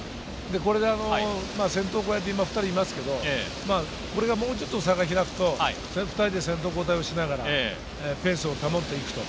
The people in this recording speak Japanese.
これで先頭が２人いますけれども、これがもうちょっと差が開くと、２人で先頭交代しながら、ペースを保っていくと。